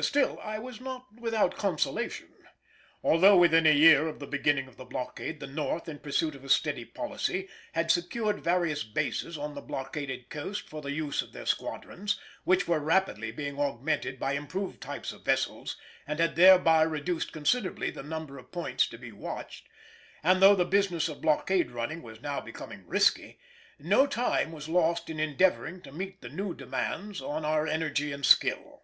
Still I was not without consolation. Although within a year of the beginning of the blockade the North, in pursuit of a steady policy, had secured various bases on the blockaded coast for the use of their squadrons, which were rapidly being augmented by improved types of vessels, and had thereby reduced considerably the number of points to be watched, and though the business of blockade running was now becoming risky, no time was lost in endeavouring to meet the new demands on our energy and skill.